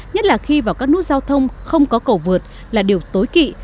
nhất là khi vào các nút giao thông không có cầu vượt là điều tối kỵ